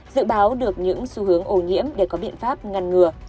dự báo được những xu hướng ô nhiễm để có biện pháp ngăn ngừa